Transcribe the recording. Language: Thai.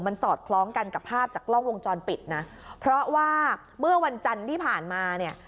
มันสอดคล้องกันกับภาพจากกล้องวงจรปิดนะเพราะว่าเมื่อวันจันทร์ที่ผ่านมาเนี่ย